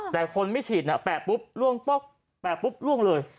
แต่คนไม่ฉีดแปะปุ๊บล่วงป๊อกแปะปุ๊บล่วงเลย